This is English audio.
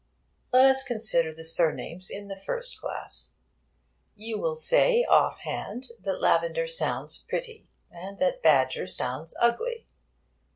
Let us consider the surnames in the first class. You will say, off hand, that Lavender sounds pretty, and that Badger sounds ugly.